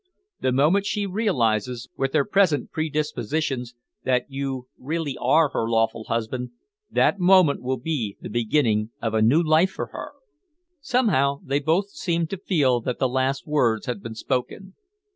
The moment she realises, with her present predispositions, that you really are her lawful husband, that moment will be the beginning of a new life for her." Somehow they both seemed to feel that the last words had been spoken.